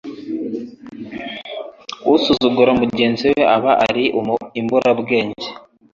Usuzugura mugenzi we aba ari imburabwenge